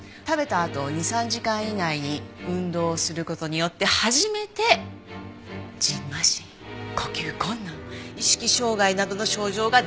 あと２３時間以内に運動する事によって初めてじんましん呼吸困難意識障害などの症状が出る。